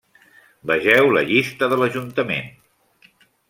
Vegeu la llista de l'ajuntament.